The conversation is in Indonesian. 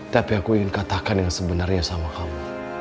tapi aku ingin katakan yang sebenarnya sama kamu